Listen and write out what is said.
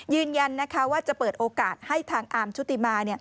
ยืนยันนะคะว่าจะเปิดโอกาสให้ทางอาร์มชุติมา